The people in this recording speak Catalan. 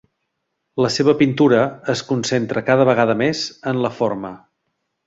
La seva pintura es concentra cada vegada més en la forma.